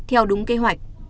theo đúng kế hoạch